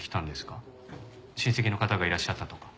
親戚の方がいらっしゃったとか？